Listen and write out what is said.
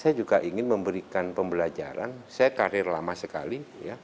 saya juga ingin memberikan pembelajaran saya karir lama sekali